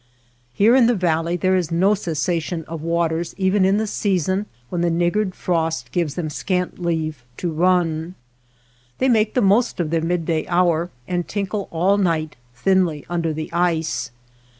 Here in the val ley there is no cessation of waters even in the season when the niggard frost gives them scant leave to run. They make the most of their midday hour, and tinkle all night thinly under the ice.